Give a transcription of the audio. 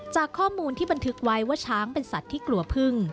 จากข้อมูลที่บันทึกไว้ว่าช้างเป็นสัตว์ที่กลัวพึ่ง